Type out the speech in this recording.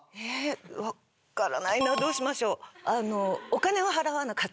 分からないなどうしましょう。